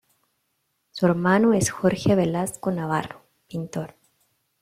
Su hermano es Jorge Velasco Navarro, pintor.